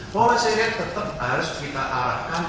policy rate tetap harus kita alatkan